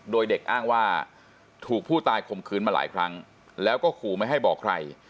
โดยเด็กอ้างว่าถูกผู้ตายข่มขืนมาหลายครั้งแล้วก็ขู่ไม่ให้บอกใคร